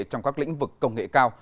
trong các lĩnh vực công nghệ cao